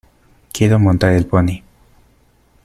Quiero montar el pony.